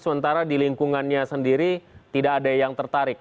sementara di lingkungannya sendiri tidak ada yang tertarik